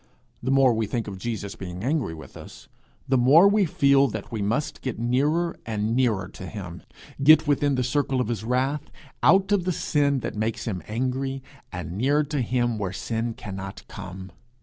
The more we think of Jesus being angry with us, the more we feel that we must get nearer and nearer to him get within the circle of his wrath, out of the sin that makes him angry, and near to him where sin cannot come.